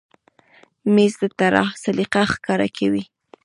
مېز د طراح سلیقه ښکاره کوي.